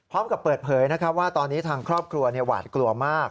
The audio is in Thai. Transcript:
พร้อมกับเปิดเผยนะครับว่าตอนนี้ทางครอบครัวหวาดกลัวมาก